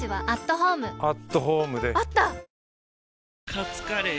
カツカレー？